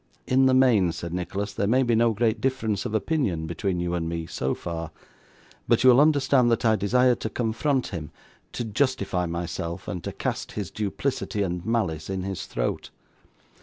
'In the main,' said Nicholas, 'there may be no great difference of opinion between you and me, so far; but you will understand, that I desire to confront him, to justify myself, and to cast his duplicity and malice in his throat.